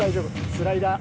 スライダー。